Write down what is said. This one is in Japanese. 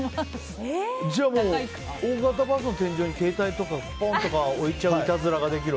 じゃあ、大型バスの天井に携帯とかポーンとか置いちゃういたずらができる。